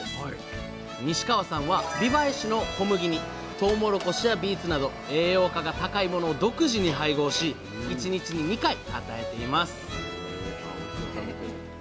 西川さんは美唄市の小麦にトウモロコシやビーツなど栄養価が高いものを独自に配合し１日に２回与えています